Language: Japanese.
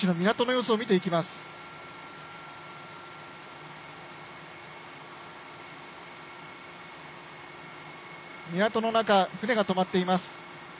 港の中、船がとまっています。